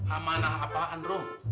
amanah apaan rom